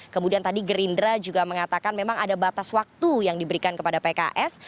kemudian tadi gerindra juga mengatakan memang ada batas waktu yang diberikan kepada pks